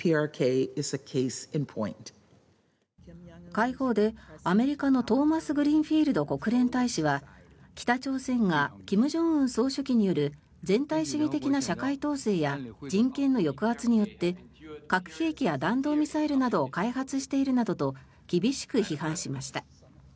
会合でアメリカのトーマスグリーンフィールド国連大使は北朝鮮が金正恩総書記による全体主義的な社会統制や人権の抑圧によって核兵器や弾道ミサイルなどを開発しているなどと厳しく批判しました。